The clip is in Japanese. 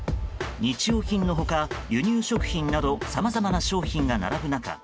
日用品の他、輸入食品などさまざまな商品が並ぶ中